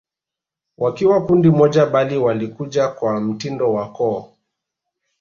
Wakiwa kundi moja bali walikuja kwa mtindo wa koo